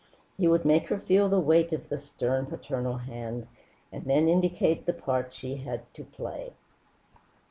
He would make her feel the weight of the stern paternal hand, and then indicate the part she had to play.